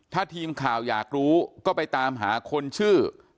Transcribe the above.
ถ้าทีมข่าวอยากรู้ก็ไปตามหาคนชื่อ